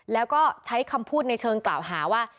แล้วก็ใช้คำพูดในเชิงกล่าวหาว่า